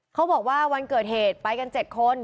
เขาบอกว่าวันเกิดเหตุไปกัน๗คน